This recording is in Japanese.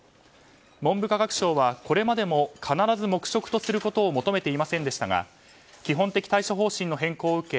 文部科学省はこれまでも必ず黙食とすることを求めていませんでしたが基本的対処方針の変更を受け